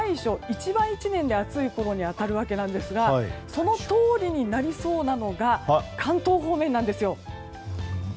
一番、１年で暑いころに当たるわけですがそのとおりになりそうなのが関東方面なんです。